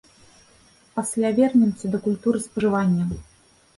Пасля вернемся да культуры спажывання.